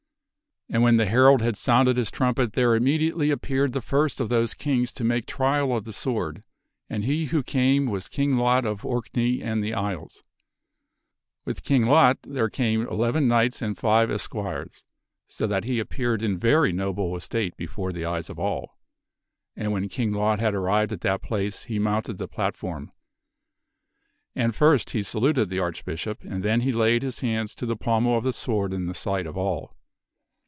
And when the herald had sounded his trumpet there immediately ap peared the first of those kings to make trial of the sword, and he who came was King Lot of Orkney and the Isles. With King Lot there came eleven 3 o THE WINNING OF KINGHOOD knights and five esquires, so that he appeared in very noble estate before the eyes of all. And when King Lot had arrived at that place, he mounted the platform. And first he saluted the Archbishop, and then he laid his hands to the pommel of the sword in the sight of all.